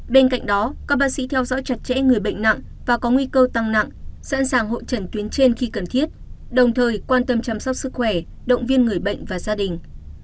bên cạnh đó các bác sĩ theo dõi chặt chẽ người bệnh nặng và có nguy cơ tăng nặng sẵn sàng hội trần tuyến trên khi cần thiết đồng thời quan tâm chăm sóc sức khỏe động viên người bệnh và gia đình